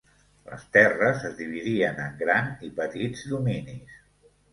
Les terres es dividien en gran i petits dominis.